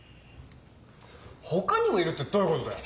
「他にもいる」ってどういうことだよ！